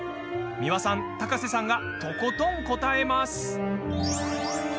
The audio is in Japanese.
美輪さん、高瀬さんがとことん答えます。